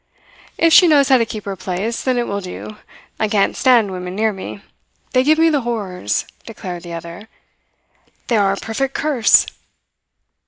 "If she knows how to keep her place, then it will do. I can't stand women near me. They give me the horrors," declared the other. "They are a perfect curse!"